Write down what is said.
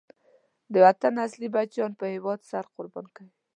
د وطن اصلی بچیان په هېواد سر قربان کوي.